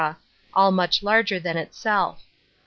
all much larger an itself.